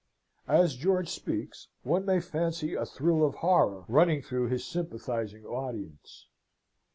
As George speaks, one may fancy a thrill of horror running through his sympathising audience.